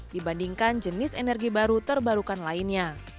dibandingkan jenis energi baru terbarukan lainnya